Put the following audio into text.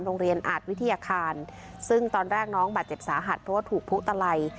โรงเรียนอาจวิทยาคารซึ่งตอนแรกน้องบาดเจ็บสาหัสเพราะว่าถูกพุตลัย